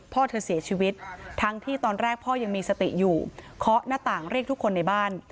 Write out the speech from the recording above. พ่อเธอเสียชีวิตทั้งที่ตอนแรกพ่อยังมีสติอยู่เคาะหน้าต่างเรียกทุกคนในบ้าน